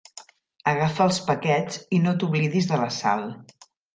Agafa els paquets i no t'oblidis de la sal.